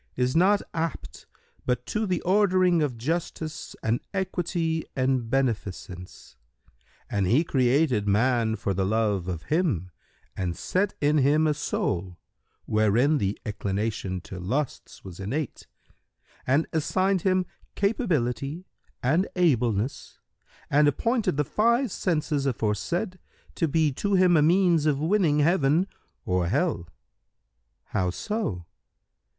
is not apt but to the ordering of justice and equity and beneficence, and He created man for the love of Him and set in him a soul, wherein the inclination to lusts was innate and assigned him capability and ableness and appointed the Five Senses aforesaid to be to him a means of winning Heaven or Hell." Q "How so?"